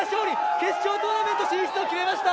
決勝トーナメント進出を決めました。